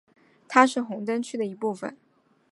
它是红灯区的一部分。